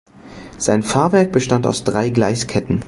Sein Fahrwerk bestand aus drei Gleisketten.